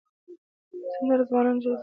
سندره ځوانان جذبوي